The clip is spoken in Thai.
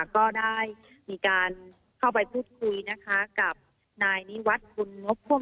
ก็ได้มีการเข้าไปพูดคุยนะคะกับนายนิวัฒน์บุญงบพ่วง